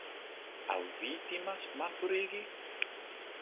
Aŭ vi timas malpurigi?